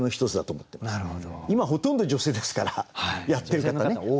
今ほとんど女性ですからやってる方ね。